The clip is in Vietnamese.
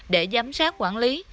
để giám sát quản lý